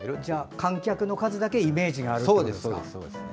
観客の数だけイメージがあるってことですか。